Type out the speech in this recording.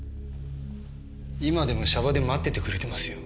今でもシャバで待っててくれてますよ。